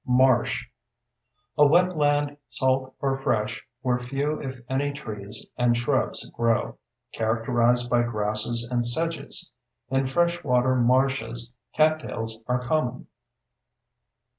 MARSH: A wetland, salt or fresh, where few if any trees and shrubs grow, characterized by grasses and sedges; in fresh water marshes, cattails are common.